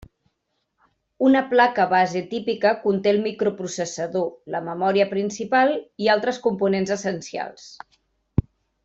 Una placa base típica conté el microprocessador, la memòria principal i altres components essencials.